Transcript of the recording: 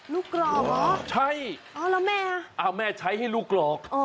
ลูกกรอกเหรออ๋อแล้วแม่ใช่แม่ใช้ให้ลูกกรอก